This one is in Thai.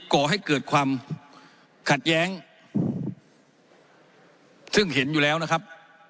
ก่อให้เกิดความขัดแย้งซึ่งเห็นอยู่แล้วนะครับ